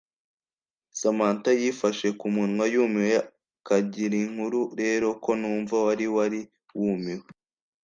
Samantha yifashe ku munwa yumiwe kagirinkuru rero ko numva wari wari wumiwe